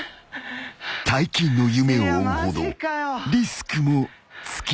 ［大金の夢を追うほどリスクも付きまとう］